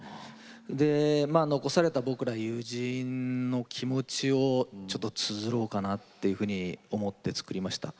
で残された僕ら友人の気持ちをちょっとつづろうかなというふうに思って作りました。